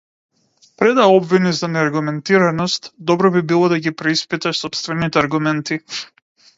Пред да обвиниш за неаргументираност, добро би било да ги преиспиташ сопствените аргументи.